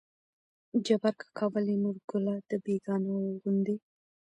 جبار کاکا: ولې نورګله د بيګانه وو غوندې